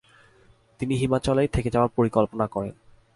তিনি হিমাচলেই থেকে যাওয়ার পরিকল্পনা করেন ।